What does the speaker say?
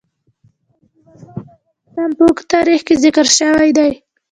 سنگ مرمر د افغانستان په اوږده تاریخ کې ذکر شوی دی.